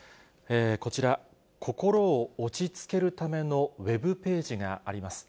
こちら、心を落ち着けるためのウエブページがあります。